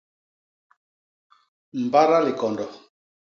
Mbada likondo.